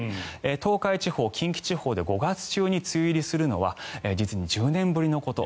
東海地方で５月中に梅雨入りするのは実に１０年ぶりのこと。